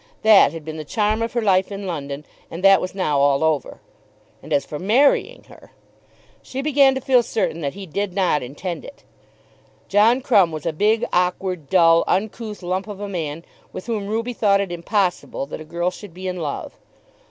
That had been the charm of her life in London, and that was now all over. And as for marrying her, she began to feel certain that he did not intend it. John Crumb was a big, awkward, dull, uncouth lump of a man, with whom Ruby thought it impossible that a girl should be in love.